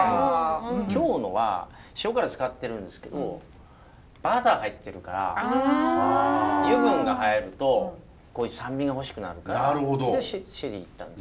今日のは塩辛使ってるんですけどバター入ってるから油分がはえるとこういう酸味が欲しくなるからでシェリーいったんです。